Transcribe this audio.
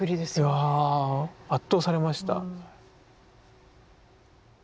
いや圧倒されました。